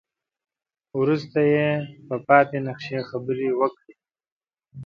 وروسته يې په پاتې نخشه خبرې وکړې.